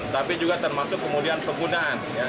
tapi juga termasuk kemudian penggunaan